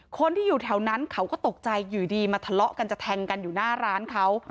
คนที่อยู่แถวนั้นเขาก็ตกใจอยู่ดีมาทะเลาะกันจะแทงกันอยู่หน้าร้านเขา